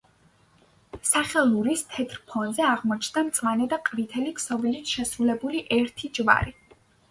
სახელურის თეთრ ფონზე აღმოჩნდა მწვანე და ყვითელი ქსოვილით შესრულებული ერთი ჯვარი.